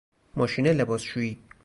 ماشین لباسشویی